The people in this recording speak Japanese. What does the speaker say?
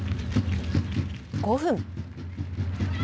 ５分。